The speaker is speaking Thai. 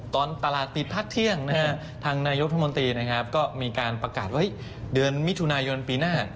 ตอนตลาดติดพักเที่ยงทางนายุทธมนตรีนะครับก็มีการประกาศว่าเดือนมิถุนายนปีหน้า